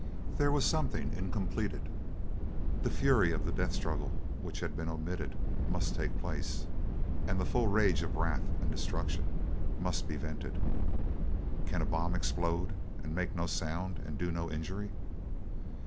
There was something incompleted. The fury of the death struggle which had been omitted must take place, and the full rage of wrath and destruction must be vented. Can a bomb explode and make no sound and do no injury?